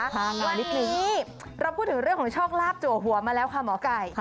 นิดนึงนี่เราพูดถึงเรื่องของโชคลาภจัวหัวมาแล้วค่ะหมอไก่